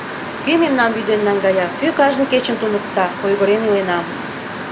«Кӧ мемнам вӱден наҥгая, кӧ кажне кечын туныкта?» — ойгырен иленам.